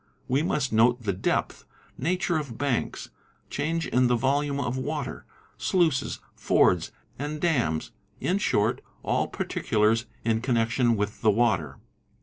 We must note the depth, nature of banks, change in the volume of water, sluices, fords and dais, | in short all particulars in connection with the water.